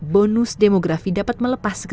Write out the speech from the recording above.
bonus demografi dapat melepas